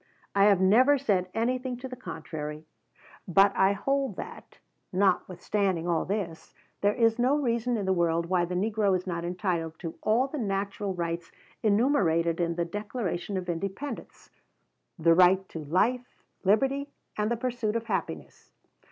I have never said anything to the contrary, but I hold that, notwithstanding all this, there is no reason in the world why the negro is not entitled to all the natural rights enumerated in the Declaration of Independence, the right to life, liberty, and the pursuit of happiness.